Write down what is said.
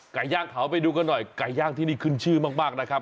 ไก่ย่างเขาไปดูกันหน่อยไก่ย่างที่นี่ขึ้นชื่อมากนะครับ